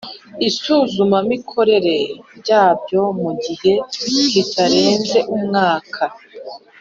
isuzumamikorere ryabo mu gihe kitarenze umwaka